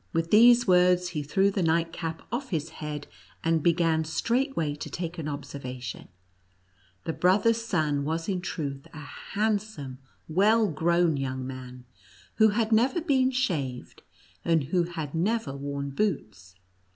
"With these words, he threw the night cap off his head, and began straightway to take an observation. The brother's son was in truth a handsome, well grown young man, who had never been NUTCRACKER AND MOUSE KING. 81 shaved, and who had never worn boots.